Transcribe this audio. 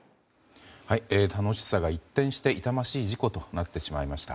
楽しさが一転して痛ましい事故となってしまいました。